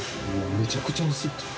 めちゃくちゃ薄くて。